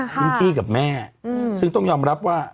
คุณพี่กับแม่ซึ่งต้องยอมรับว่า